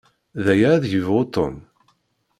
D aya ad yebɣu Tom?